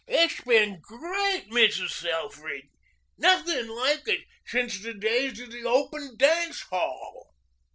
"It's been great, Mrs. Selfridge. Nothing like it since the days of the open dance hall."